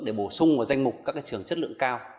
để bổ sung vào danh mục các trường chất lượng cao